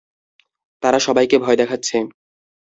তারা সবাইকে ভয় দেখাচ্ছে।